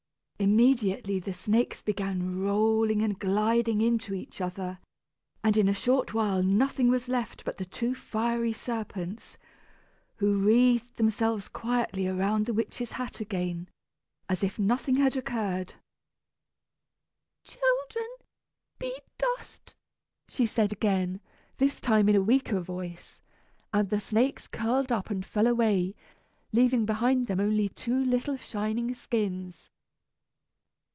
Immediately the snakes began rolling and gliding into each other, and in a short while nothing was left but the two fiery serpents, who wreathed themselves quietly around the witch's hat again, as if nothing had occurred. "Children, be dust!" she said again this time in a weaker voice and the snakes curled up and fell away, leaving behind them only two little shining skins.